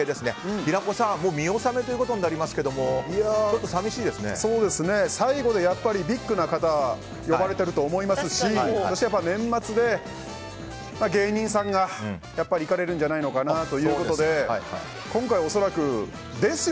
平子さん見納めということになりますけど最後でやっぱりビッグな方呼ばれていると思いますし年末で、芸人さんがやっぱり行かれるんじゃないのかなということで今回恐らく、ですよ。